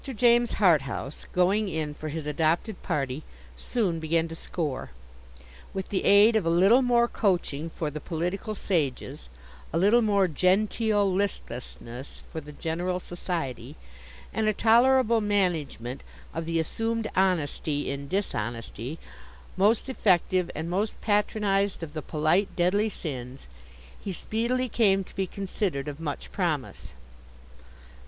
JAMES HARTHOUSE, 'going in' for his adopted party, soon began to score. With the aid of a little more coaching for the political sages, a little more genteel listlessness for the general society, and a tolerable management of the assumed honesty in dishonesty, most effective and most patronized of the polite deadly sins, he speedily came to be considered of much promise.